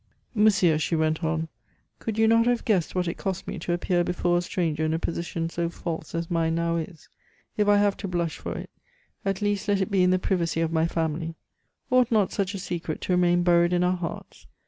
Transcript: "Monsieur," she went on, "could you not have guessed what it cost me to appear before a stranger in a position so false as mine now is? If I have to blush for it, at least let it be in the privacy of my family. Ought not such a secret to remain buried in our hearts?